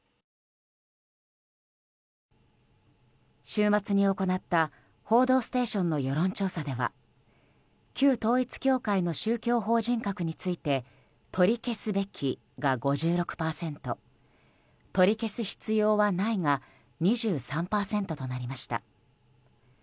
週末に行った「報道ステーション」の世論調査では旧統一教会の宗教法人格について取り消すべきが５６％取り消す必要はないが２３％となりました。